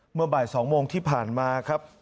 เมื่อบ่าย๒โมงที่ผ่านมาครับ